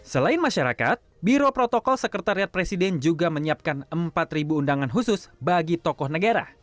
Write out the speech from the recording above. selain masyarakat biro protokol sekretariat presiden juga menyiapkan empat undangan khusus bagi tokoh negara